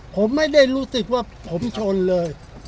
ผมไม่ได้รู้สึกว่าผมชนเลย